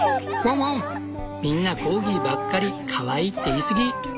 みんなコーギーばっかりかわいいって言い過ぎ。